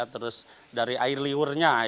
terus dari air liurnya